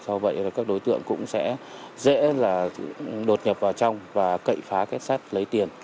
do vậy là các đối tượng cũng sẽ dễ là đột nhập vào trong và cậy phá kết sắt lấy tiền